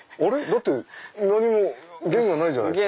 だって何も弦がないじゃないですか。